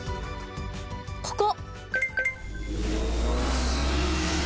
ここ。